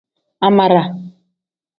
Amara.